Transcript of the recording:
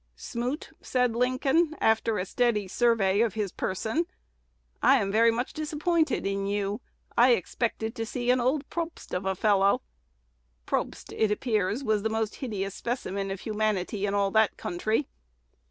"Smoot," said Lincoln, after a steady survey of his person, "I am very much disappointed in you: I expected to see an old Probst of a fellow." (Probst, it appears, was the most hideous specimen of humanity in all that country.)